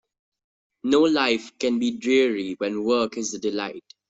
No life can be dreary when work is a delight.